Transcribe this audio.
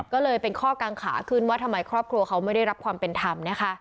ก็เลยเป็นข้อกางขาขึ้นว่าทำไมครอบครัวเขาไม่ได้รับความเป็นธรรมนะคะ